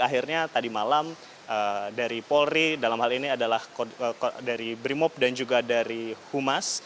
akhirnya tadi malam dari polri dalam hal ini adalah dari brimob dan juga dari humas